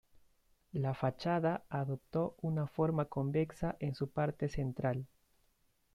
La fachada adoptó una forma convexa en su parte central.